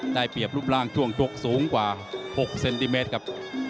ได้เปรียบรูปร่างช่วงชกสูงกว่า๖เซนติเมตรครับ